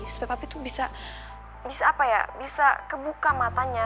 supaya papi tuh bisa bisa apa ya bisa kebuka matanya